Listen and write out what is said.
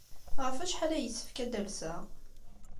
Ɣef wacḥal ay yessefk ad d-alseɣ?